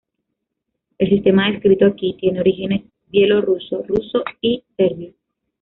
El sistema descrito aquí tiene orígenes bielorruso, ruso y serbio.